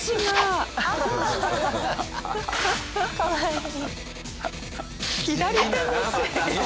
かわいい。